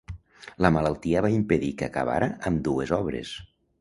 La malaltia va impedir que acabara ambdues obres.